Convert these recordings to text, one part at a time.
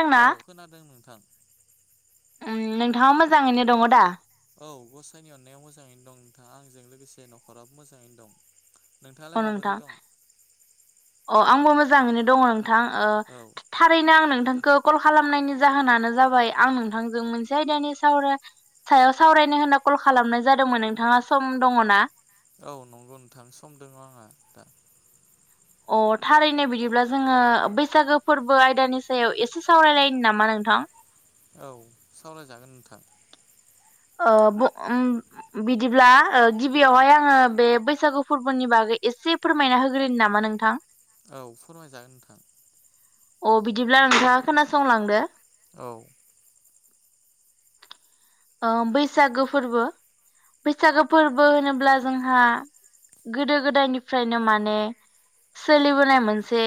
आंना औ खोनादों नोंथां। ओ नोंथाङा मोजाङैनो दङ दा? औ गसाइनि अननायाव मोजाङैनो दं नोंथां आंजों लोगोसे नखराबो मोजाङैनो दं। औ नोंथाङालाय नोंथां माबोरै दं? अ आंबो मोजाङैनो दङ नों थां ओ औ थारैनो आं नोंथां खौ कल खालामनायनि जाहोनानो जाबाय आं नोंथांजों मोनसे आयदानि सावरा सायाव सावरायनो होनना कल खालामनाय जादोंमोन नोंथाङा सम दङना? औ नंगौ नोंथां सम दों आंना दा। अ थारैनो बिदिब्ला जोङो बैसागो फोरबो आयदानि सायाव एसे सावरायलायनो नामा नोंथां? औ सावरायजागोन नोंथां। ओ बु उम बिदिब्ला गिबियावहाय आङो बे बैसागु फोरबोनि बागै एसे फोरमायना होग्रोनि नामा नोंथां? औ फोरमायजागोन नोंथां अ बिदिब्ला नोंथाङा खोनासंलांदो औ औ बैसागो फोरबो। बैसागो फोरबो होनोब्ला जोंहा गोदो गोदायनिफ्रायनो माने सोलिबोनाय मोनसे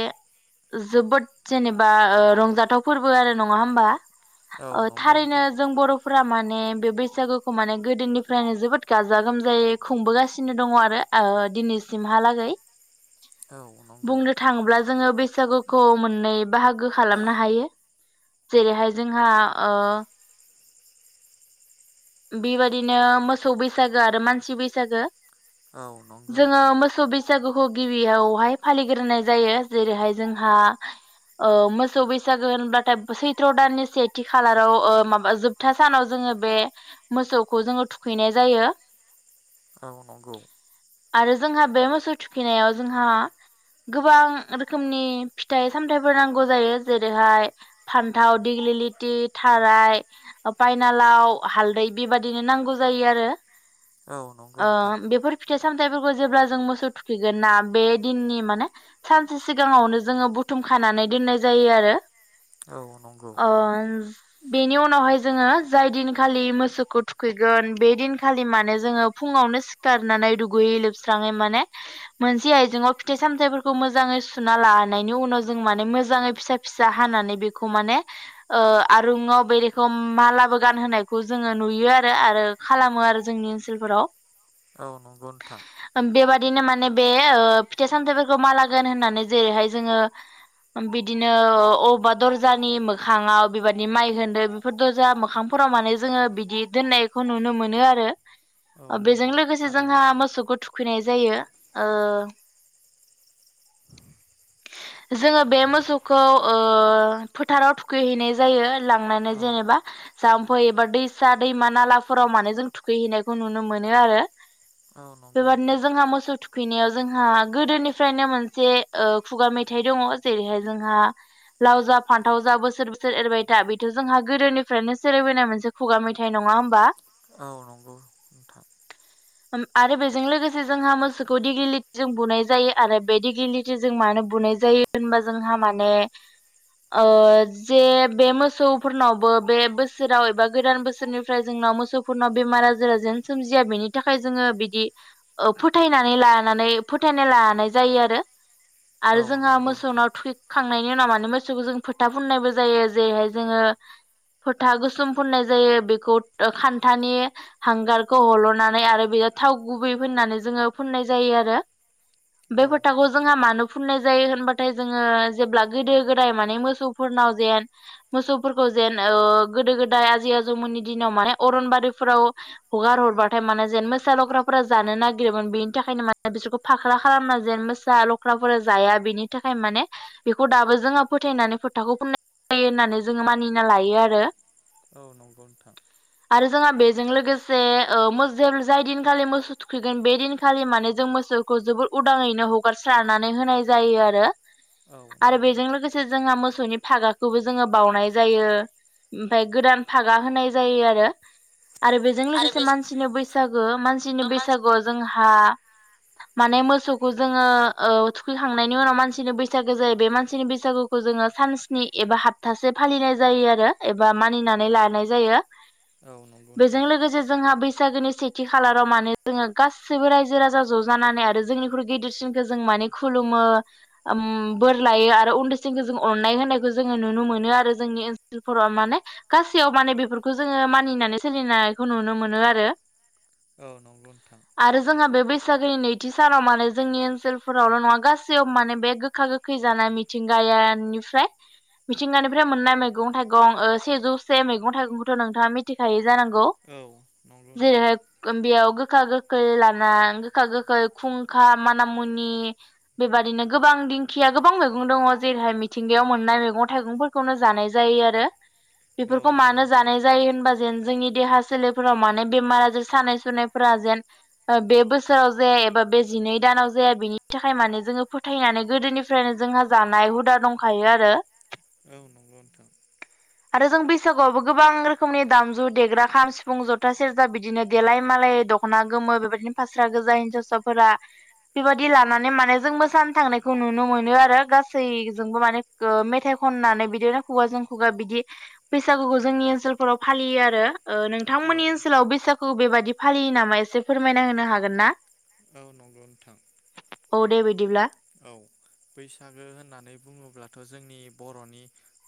जोबोद जेनेबा ओ रंजाथाव फोरबो आरो नङा होमबा? औ ओ नंगौ थारैनो नोंथां जों बरफोराब माने बे बैसागोखौ माने गोदोनिफ्रायनो जोबोद गाजा गोमजायै खुंबोगासिनो दङ आरो ओ दिनैसिमहालागै औ नंगौ बुंनो थाङोब्ला जोङो बै सागुखौ मोननै बाहागो खालामनो हायो। जेरैहाय जोंहा ओ बेबायदिनो मोसौ बैसागो आरो मानसि बैसागो औ नंगौ जोङो नोंथां मोसौ बैसागुखौ गिबियावहाय फालिग्रोनाय जायो जेरैहाय जोंहा ओ मोसौ बैसागो होनब्लाथाय सैथ्र दाननि सेथि खालाराव ओ माबा जोबथा सानाव जोङो बे मोसौखौ जोङो थुखैनाय जायो औ नंगौ जोंहा बे मोसौ थुखैनायाव जोंहा गोबां रोखोमनि फिथाइ सामथाइफोर नांगौ जायो जेरैहाय फान्थाव दिग्लिलिटि थाराय पायनालाव हालदै बेबादिनो नांगौ जायो आरो औ नंगौ ओ नोंथां बेफोर फिथाइ सामथाय फोरबो जेब्ला जों मोसौ थुखैगोन ना बे दिननि माने सानसे सिगाङावनो जोङो बुथुम खानानै दोननाय जायो आरो औ नंगौ ओम बेनि उनावहाय जोङो जाय दिन खालि मोसौखौ थुखैगोन बे दिनखालि माने जोङो फुङावनो सिखारनानै दुगैयै लोबस्राङै माने मोनसे आयजेङाव फिथाइ सामथाइफोरखौ मोजाङै सुना लानायनि उनाव जों माने मोजाङै फिसा फिसा हानानै बेखौ माने ओ आरुङाव बेरेखौ मालाबो गान होनोनाय खौ जोङो नुयो आरो आरो खालामो आरो जोंनि ओनसोलफोराव औ नंगौ नोंथां। बेनो माने बे ओ फिथाइ सामथायफोरखौ माला गानहोनानै जेरैहाय जोङो बिदिनो अबेबा दजानि मोङाव बेबादि माइहेनदो बेफोर दजा मोखांफोराव माने जोङो बिदि दोननायखौ नुनो मोनो आरो औ बेजों नंगौ लोगोसे थारैनो जोंहा मोसौखौ थुखैनाय जायो ओ जोङो बे मोसौखौ ओ फोथाराव थुखैहैनाय जायो। लांनानै औ जेनेबा जाम्फै एबा दैसा दैमा नालाफोराव मानोे जों थुखैहैनायखौ नुनो मोनो आरो औ नंगौ बेबादिनो नोंथां जोंहा मोसौ थु खैनायाव जोंहा गोदोनिफ्रायनो मोनसे ओ खुगा मेथाइ दङ जेरैहाय जोंहा लाव जा फान्थाव जा बोसोर बोसोर एरबाय था बेथ' जोंहा गोदोनिफ्रायनो सोलिबोनाय मोनसे खुगा मेथाइ नङा होमबा? औ नंगौ। नोंथां आरो बेजों लोगोसे जोंहा मोसौखौ दिग्लिटिजों बुनाय जायो आरो बे दिगलिटि जों मानो बुनाय जायो होनबा जोंहा माने जे बे मोसौफोरनावबो बे बोसोराव एबा गोदान बोसोरनिफ्राय जोंनाव मोसौफोरनाव बेमार आजारा जेन सोमजिया बेनि थाखाय जोङो बिदि फोथायनानै लानानै फोथायनाय लानाय जायो आरो। आरो औ जोंहा नंगौ मोसौनाव नोंथां थुइखांनाय नि उनाव माने मोसौखौ जों फोथा फुननायबो जायो जेरैहाय जोङो फोथा गोुसोम फुननाय जायो बेखौ खान्थानि हांगारखौ हलनानै आरो बेयाव थाव गुबै फुननानै जोङो फुननाय जायो आरो बे औ फोथाखौ जोंहा मानो फुननाय जायो होनबाथाय जोङो जेब्ला गोदो गोदाय माने मोसौफोरनाव जेन मोसौफोरखौ जेन गोदो गोदाय आजै आजौमोननि दिनाव माने अरनबारिफोराव हगार हरबाथाय माने जेन मोसा लख्राफोरा जानो नागिरोमोन बेनि थाखायनो माने बिसोरखौ फाख्रा खालामना जेन मोसा लख्रा फोर जाया बेनि थाखाय माने बेखौ दाबो जोंहा फोथायनानै फोथाखौ फोननाय जायो होननानै जोङो मानिना लायो आरो। औ नंगौ नोंथां। आरो जोंहा बेजों लोगोसे ओ मोजेल जाय दिनखालि मोसौ थुखैगोन बे दिनखालि माने जों मोसौखौ जोबोर उदाङैनो हगारस्रा नानै होनाय जायो आरो। औ आरो नंगौ। बेजों लोगोसे जोंहा मोसौनि फागाखौबो जोङो बावनाय जायो ओमफाय गोदान फागा होनाय जायो आरो। आरो बेजों आरो लोगोसे बेजों मानसिनो बैस सागो मा सिनि मानसि बैसागुआव जों हा माने मोसौखौ जोङो औ थुखैखांनायनि उनाव मानसिनि बैसागो जायो बे मानसिनि बैसागुखौ जोङो सानस्नि एबा हप्थासे फालिनाय जायो आरो एबा मानिनानै लानाय जायो। औ नंगौ बेजों नोंथां लोगोसे जोंहा बै सागोनि सेथि खालाराव माने जोङो गासैबो रायजो राजा ज जानानै आरो जोंनिख्रुइ गिदिरसिन जों माने खुलुमो आम बोर लायो आरो उन्दैसिनखौ जों अननाय होनायखौ जोङो नुनो मोनो आरो जोंनि ओनसोलफोराव माने गासैयाव माने बेफोरखौ जोङो मानिनानै सोलिनायखौ नुनो मोनो आरो। औ नंगौ नोंथां। सागोनि नैथि सानाव मानो जोंनि ओन ओनफोरावल नङा गासैयाव माने बे गोखा गोखै जानाय मिथिंगायानिफ्राय मिथिंगानिफ्राय मोननाय मैगं थाइगं सेजौसे मैगं थाइगंखौथ नोंथाङा मिथिखायो। जानांगौ औ नंगौ नोंथां जेरैहाय बेयाव खा गोखै लाना गोखा गोखै खुंखा माना मुनि बेबादिनो गोबां दिंखिया गोबां मैगं दंङ जेरैहाय मिथिंगायाव मोननाय मैगं थाइगंफोरखौनो जानाय जायो आरो। औ बेफोरखौ नंगौ मानो नोंथां जानाय जायो होनबा जेन जोंनि देहा सोलेरफोराव माने बेमार आजार सानाय सुनायफोरा जेन बे बोसोराव जे एबा बे जिनै दानाव फोरा बिनि थाखाय माने जोंङो फोथायनानै गोदोनिफ्रायनो जोंहा जानाय हुदा दंखायो आरो। औ नंगौ नोंथां। आरो जों बैसागुआवबो गोबां रोखोमनि दामजु देग्रा खाम, सिफुं, जथा, सेरजा बिदिनो देलाय मालाय दखना गोमो बेबायदिनो फास्रा गोजा हिनजावसाफोरा बेबायादि लानानै माने जों मोसानो थांनायखौ नुनो मोनो आरो गासैजोंबो माने मेथाइ खननानै बिदिनो खुगााजों खुगा बिदि बैसागुखौ जोंनि ओनसोलफोराव फालियो आरो। ओ नोंथांमोननि औ ओनसोलाव बैसाग खौ बेबायादि फालियो नामा एसे फोरमायना होनो हागोन ना? औ नंगौ नोंथां। औ दे बिदिब्ला औ बैसागो होननानै बुंङोब्लाथ जोंनि बर'नि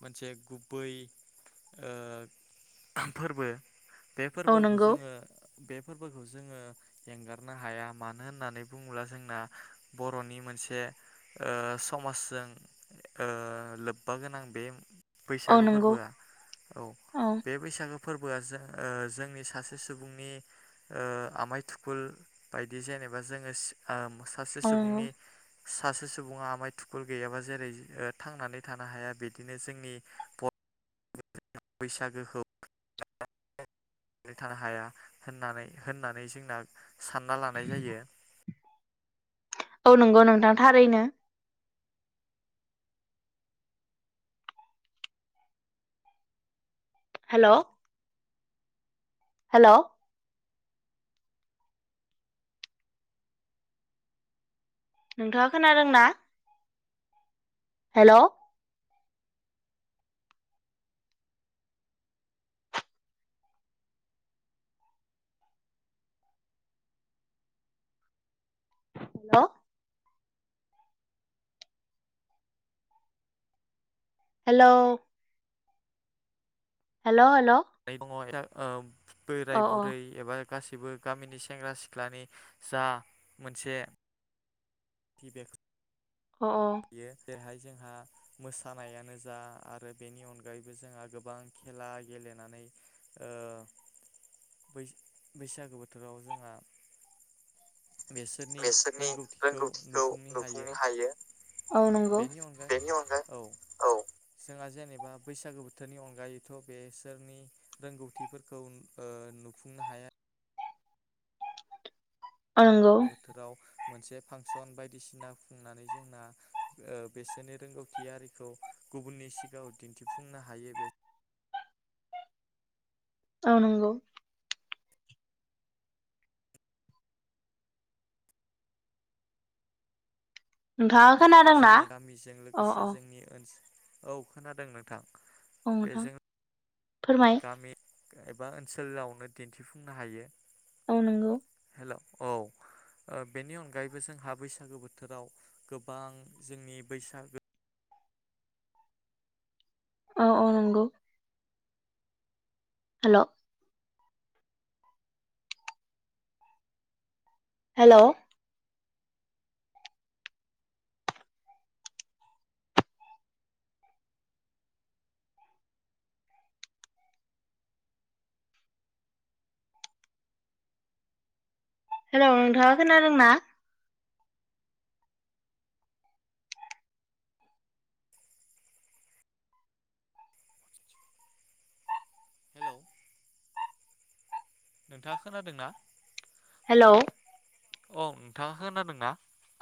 मोनसे गुबै ओ फोरबो बे औ फोरबोखौ नंगौ जोंङो बे फोरबोखौ जोंङो एंगारनो हाया मानो होननानै बुंङोब्ला जोंना बर'नि मोनसे ए ओ समाजजों ओ लोब्बा गोनां बे औ बैसागो नंगौ फोरबोआ औ बे बैसागो फोरबोआ जों ओ जोंनि सासे सुबुंनि ओ आमाइ थुखुल बायदि जेनेबा जोंङो सि आम सासे औ नंगौ सुबुंनि सासे सुबुंङा आमाय थुखुल गैयाबा जेरै थांनानै थानो हाया बिदिनो जोंनि ब बैसागोखौ नै थानो हाया होननानै होननानै जोंना सानना लानाय जायो। औ नंगौ नोंथां थारैनो हेलोव हेलोव नोंथांङा खोनादों ना? हेलोव हेलोव हेलोव हेलोव [unintelligible] ओ बोराय औ बुरै एबा गासैबो गामिनि सेंग्रा सिख्लानि जा मोनसे बे औ औ बियो जेर हाय जोंहा मोसानायानो जा आरो बेनि अनगायैबो जोंहा गोबां खेला गेलेनानै ओ बै बैसागो बोथोराव जोंहा बेसोरनि रोंगौथिखौ नुफुंनो हायो। अ नंगौ बेनि अनगायै बेनि अनगायै औ एबा बैसागो बोथोरनि अनगायैथ बेसोरनि रोंगौथिफोरखौ ओ नुफुंनो हाया। औ नोंगौ। बोथोराव मोनसे फांसन बायदिसिना खुंनानै जोंना ओ बिसोरनि रोंगौथि आरिखौ गुबुननि सिगाङाव दिन्थिफुंनो हायो। बे औ नंगौ। नोंथांआ जोंनि गामिजों लोगोसे जोंनि ओन्सोल औ खोनादों नोंथां। अ नोंथां। बेजों फोरमाय गामि एबा ओन्सोलावनो दिन्थिफुंनो हायो। औ नंगौ। हेलौ औ बेनि अनगायैबो जोंहा बैसागो बोथोराव गोबां जोंनि बैसागो औ औ नोंगौ। हेलौ। हेलौ। हेलौ नोंथाङा खोनादों ना? हेलौ। नोंथाङा खोनादों ना? हेलौ। औ नोंथाङा खोनादोंना?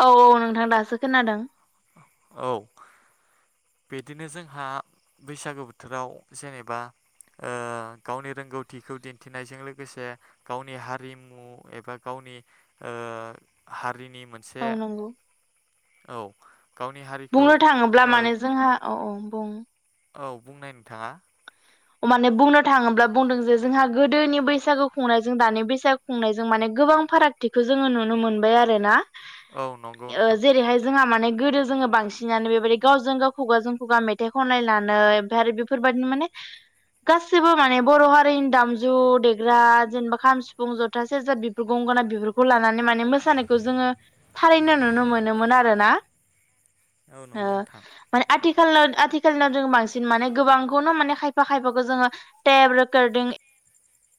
औ औ नोंथां दासो खोनादों। औ बिदिनो जोंहा बैसागो बोथोराव जेनेबा ओ गावनि रोंगौथिखौ दिन्थिनायजों लोगोसे गावनि हारिमु एबा गावनि ओ हारिनि मोनसे औ नंगौ। औ। गावनि हारिखौ बुंनो थाङोब्ला ओ माने जोंहा औ औ। बुं। औ बुंनाय नोंथाङा। माने बुंनो थाङोब्ला बुंदों जे जोंहा गोदोनि बैसागु खुंनायजों दानि बैसागु खुंनायजों माने गोबां फारागथिखौ जोङो नुनो मोनबाय आरो ना। औ नंगौ ओ नोंथां जेरैहाय जोंहा माने गोदो जोङो बांसिनानो बेबायदि गावजों गाव खुगाजों खुगा मेथाइ खनलायनानै ओमफ्राय आरो बेफोरबायदिनो माने गाससिबो माने बर हारिनि दामजु देग्रा जेनेबा खाम, सिफुं जथा, सेरजा, बिबुर गंगोना बिफोरखौ लानानै माने मोसानायखौ जोङो थारैनो नुनो मोनोमोन आरो ना। औ ओ नंगौ नोंथां माने आथि खालाव आथिखालनियाव जों बांसिन माने गोबांखौनो माने खायफा खायफाखौ जोङो टेब रेकर्डिं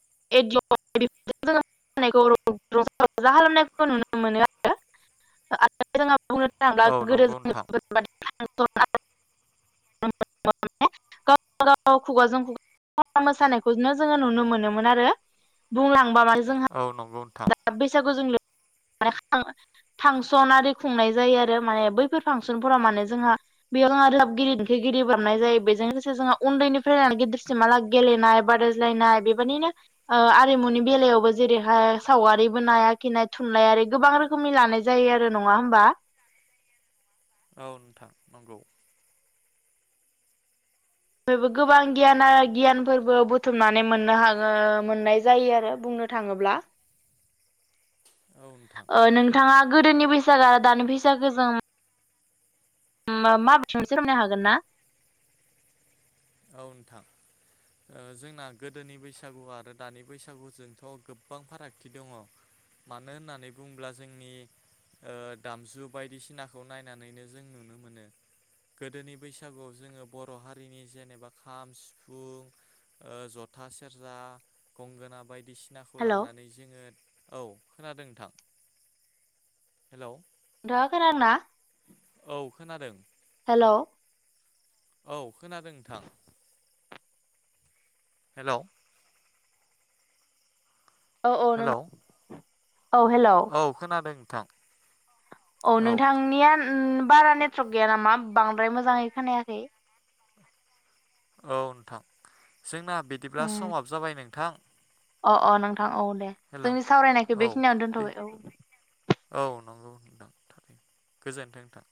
[unintelligible] नुनो मोनो आरो [unintelligible] बुंनो थाङोब्ला गोदो जोङो [unintelligible] औ नंगौ नोंथां [unintelligible] खुगाजों‌ खुगा [unintelligible] मोसानायखौनो जोङो नुनो मोनोमोन। मोन आरो बुं थांबा माने जोंहा औ नंगौ नोंथां [unintelligible] बैसागजों [inaudible] फांसन आरि खुंनाय जायो आरो माने बैफोर फांसनफोराव माने जोंहा बेयाव जोंहा रोजाबगिरि देंखोगिरि बारनाय जायो बेजों लोगोसे जोंहा उन्दैनिफ्राय [inaudible] गिदिरसिमाल [inaudible] गेलेनाय बादायज्लायनाय बेबायदिनो आरिमुनि बेलायावबो जेरैहाय सावगारि बोनाय‌ आखिनाय थुनलाइयारि गोबां रोखोमनि लानाय जायो आरो नङा होमबा? औ नोंथां नंगौ। बेबो गोबां गियान आ गियानफोरबो बुथुमनानै मोननो हागो मोननाय जायो आरो बुंनो थाङोब्ला औ नोंथां ओ नोंथाङा गोदोनि बैसागो आरो दानि बेसागोजों [inaudible] हागोन ना? ओ नोंथां ओ जोंना गोदोनि बैसागु आरो दानि बेसागुजोंथ गोबां फारागथि दङ। मानो होननानै बुंब्ला जोंनि ओ दामजु बायदिसिनाखौ नायनानैनो जों नुनो मोनो गोदोनि बैसागुआव जोङो बर' हारिनि जेने खाम सिफुं ओ जथा सेरजा गंगोना बाय बायदिसिनाखौ हेलौ लानानै जोङो औ खोनादों नोंथां हेलौ। दा खोनादों ना? औ खोनादों। हेलौ। औ खोनादों नोंथां। हेलौ। औ औ नों हेलौ [inaudible] औ हेलौ। औ [inaudible] औ नोंथांनिया उम बारा नेटवर्क गैया नामा बांद्राय मोजाङै खोनायाखै। औ नोंथां। जोंना बिदिब्ला उम समाब जाबाय नोंथां। अ अ नोंथां। औ दे हेलौ जोंनि सावरायनायखौ औ बेखिनियावनो बे दोनथबाय औ दे। औ नंगौ नोंथां गोजोनथों नोंथां।